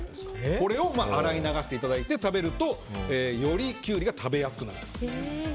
これを洗い流していただいて食べるとよりキュウリが食べやすくなると。